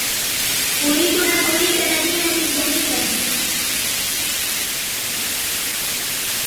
أريد أن أريك مدينتي الجميلة.